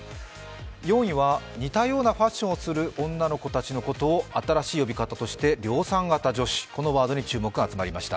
４位は似たようなファッションをする女の子たちのことを新しい呼び方として量産型女子このワードに注目が集まりました。